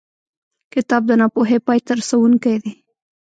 کتاب د ناپوهۍ پای ته رسوونکی دی.